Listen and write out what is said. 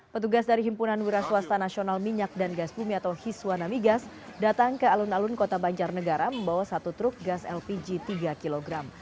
petugas dari himpunan wiraswasta nasional minyak dan gas bumi atau hiswa namigas datang ke alun alun kota banjar negara membawa satu truk gas lpg tiga kg